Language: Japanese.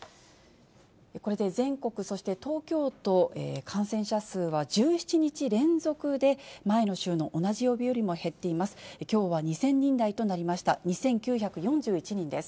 これで全国、そして東京都、感染者数は１７日連続で、前の週の同じ曜日よりも減っています。